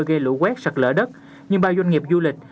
gây lũ quét sật lỡ đất nhưng bao doanh nghiệp du lịch